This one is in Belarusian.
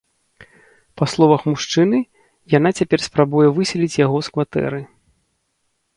Па словах мужчыны, яна цяпер спрабуе выселіць яго з кватэры.